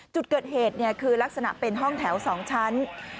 จุดเกิดเหตุคือลักษณะเป็นห้องแถว๒ชั้น